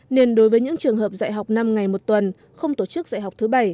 nên đối với những trường hợp dạy học năm ngày một tuần không tổ chức dạy học thứ bảy